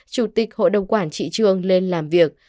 chủ tịch hội đồng quản trị trường lên làm việc